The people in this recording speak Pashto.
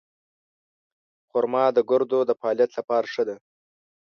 خرما د ګردو د فعالیت لپاره ښه ده.